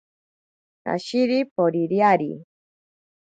Kashiri poririari.